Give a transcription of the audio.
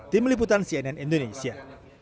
tim liputan cnn indonesia